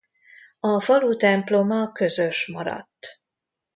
A falu temploma közös maradt.